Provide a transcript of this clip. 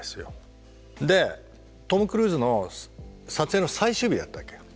でトム・クルーズの撮影の最終日だったわけ。